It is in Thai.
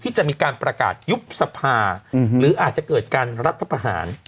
จะมีการประกาศยุบสภาหรืออาจจะเกิดการรัฐประหาร